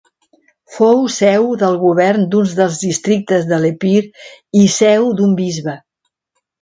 Fou seu del govern d'un dels districtes de l'Epir i seu d'un bisbe.